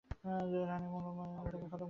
রাণী ও সর্বমঙ্গলের ন্যায়, ওটাকে খতম করো!